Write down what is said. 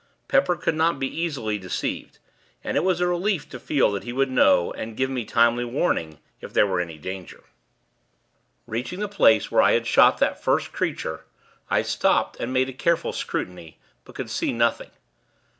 Pepper could not be easily deceived, and it was a relief to feel that he would know, and give me timely warning, if there were any danger. Reaching the place where I had shot that first creature, I stopped, and made a careful scrutiny; but could see nothing.